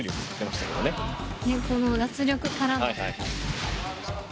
この脱力からの。